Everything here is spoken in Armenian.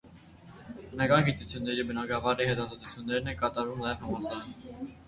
Բնական գիտությունների բնագավառի հետազոտություններ են կատարվում նաև համալսարաններում։